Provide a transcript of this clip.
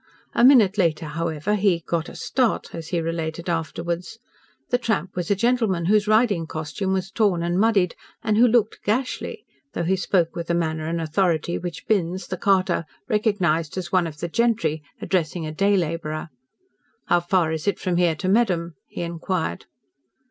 A minute later, however, he "got a start," as he related afterwards. The tramp was a gentleman whose riding costume was torn and muddied, and who looked "gashly," though he spoke with the manner and authority which Binns, the carter, recognised as that of one of the "gentry" addressing a day labourer. "How far is it from here to Medham?" he inquired.